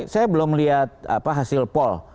saya belum lihat hasil pol